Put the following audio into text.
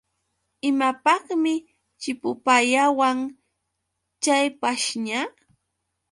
¿Imapaqmi chipupayawan chay pashña.?